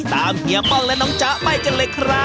เฮียป้องและน้องจ๊ะไปกันเลยครับ